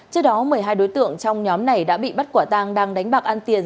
trước đó một mươi hai đối tượng trong nhóm này đã bị bắt quả tang đang đánh bạc an tiền